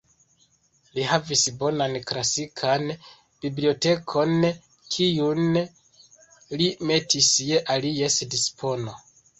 Li havis bonan klasikan bibliotekon, kiun li metis je alies dispono.